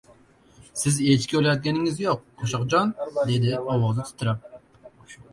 — Siz echki olayotganingiz yo‘q, Qo‘shoqjon, — dedi ovozi titrab.